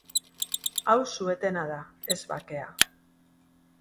Hau su etena da, ez bakea.